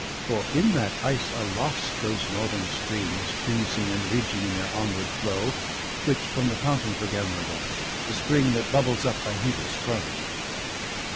For in that ice are lost those northern streams. Freezing and ridging in their onward flow, Which from the fountain of Vergelmer run. The spring that bubbles up by Hela's throne.